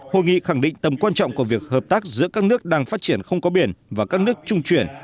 hội nghị khẳng định tầm quan trọng của việc hợp tác giữa các nước đang phát triển không có biển và các nước trung chuyển